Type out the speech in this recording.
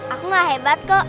aku gak hebat kok